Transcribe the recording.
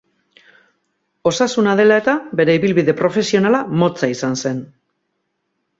Osasuna dela eta bere ibilbide profesionala motza izan zen.